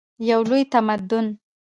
یو لوی تمدن.